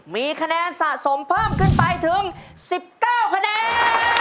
มีคะแนนสะสมเพิ่มขึ้นไปถึง๑๙คะแนน